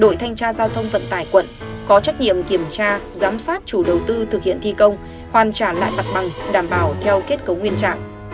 đội thanh tra giao thông vận tải quận có trách nhiệm kiểm tra giám sát chủ đầu tư thực hiện thi công hoàn trả lại mặt bằng đảm bảo theo kết cấu nguyên trạng